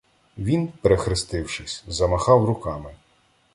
Він, перехрестившись, замахав руками: